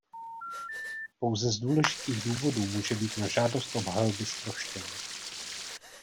Pouze z důležitých důvodů může být na žádost obhajoby zproštěn.